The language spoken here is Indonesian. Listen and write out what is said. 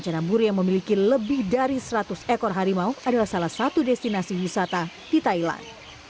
jika mereka memiliki banyak air dan makanan